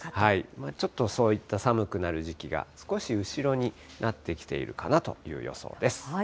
ちょっとそういった寒くなる時期が、少し後ろになってきているかなという予想です。